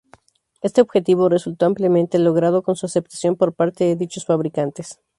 Este objetivo resultó ampliamente logrado con su aceptación por parte de dichos fabricantes.